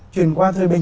chuyển qua thời bình